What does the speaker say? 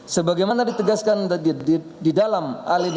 sebagaimana ditegaskan di dalam alinia ke empat